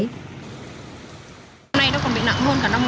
hôm nay nó còn bị nặng hơn cả năm